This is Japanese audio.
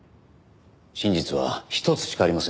真実は一つしかありません。